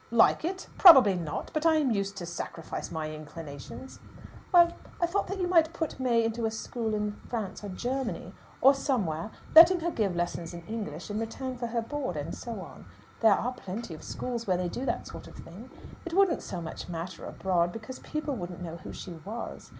"Like it! Probably not. But I am used to sacrifice my inclinations." "Well, I thought that you might put May into a school in France or Germany, or somewhere, letting her give lessons in English in return for her board and so on. There are plenty of schools where they do that sort of thing. It wouldn't so much matter abroad, because people wouldn't know who she was.